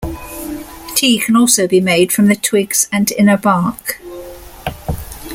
Tea can also be made from the twigs and inner bark.